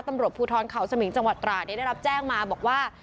ตำรวจภูทรเขาสมิงจังหวัดตราดได้รับแจ้งมาบอกว่า